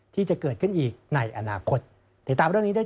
ที่จะเกิดขึ้นอีกในอนาคต